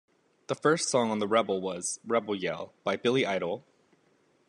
The first song on The Rebel was "Rebel Yell" by Billy Idol.